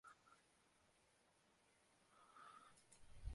創造跨世代溝通合作的零內鬨團隊